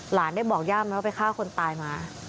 หลานได้บอกย่าไหมว่าไปฆ่าคนตายมา